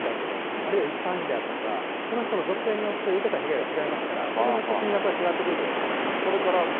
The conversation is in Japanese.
あるいは一般人であるとか、その人の属性によって受けた被害が違いますから、それによって金額は違ってくるということですね。